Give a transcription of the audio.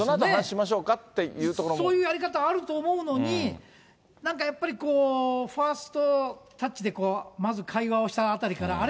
と、そういうやり方あると思うのに、なんかやっぱりファーストタッチで、まず会話をしたあたりから、あれ？